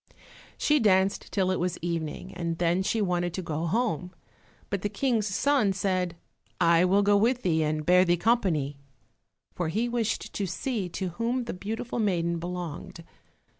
She danced till it was evening, and then she wanted to go home. But the King's son said, "I will go with thee and bear thee company," for he wished to see to whom the beautiful maiden belonged.